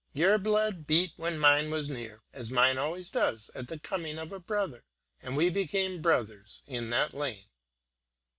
Your blood beat when mine was near, as mine always does at the coming of a brother; and we became brothers in that lane."